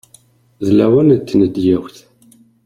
D lawan n tnedyawt.